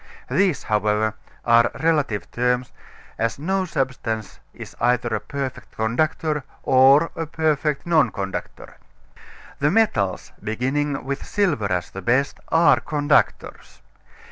These, however, are relative terms, as no substance is either a perfect conductor or a perfect non conductor. The metals, beginning with silver as the best, are conductors.